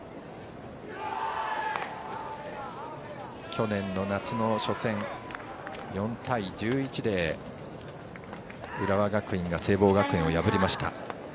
去年の夏の初戦４対１１で浦和学院が聖望学園を破りました。